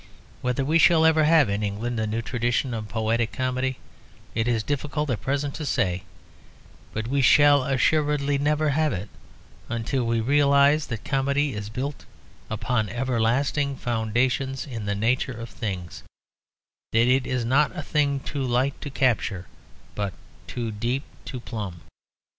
Whether we shall ever have in England a new tradition of poetic comedy it is difficult at present to say, but we shall assuredly never have it until we realise that comedy is built upon everlasting foundations in the nature of things, that it is not a thing too light to capture, but too deep to plumb.